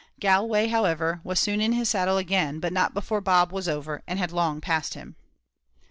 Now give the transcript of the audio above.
Galway, however, was soon in his saddle again, but not before Bob was over, and had long passed him.